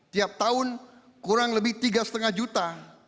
tiap tahun kurang lebih tiga lima juta